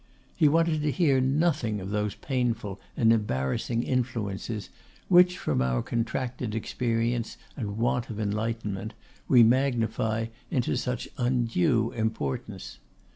He wanted to hear nothing of those painful and embarrassing influences which from our contracted experience and want of enlightenment we magnify into such undue importance.